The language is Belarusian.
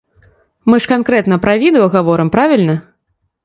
Мы ж канкрэтна пра відэа гаворым, правільна?